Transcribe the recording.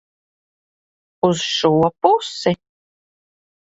Uz šo pusi?